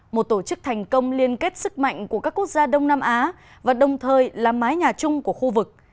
một tổ chức thành công liên kết sức mạnh của các quốc gia đông nam á và đồng thời là mái nhà chung của khu vực